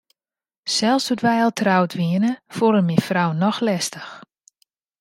Sels doe't wy al troud wiene, foel er myn frou noch lestich.